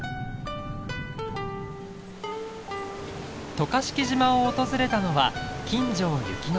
渡嘉敷島を訪れたのは金城由希乃さん。